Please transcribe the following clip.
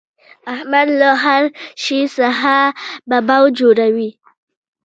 احمد له هر شي څخه ببو جوړوي.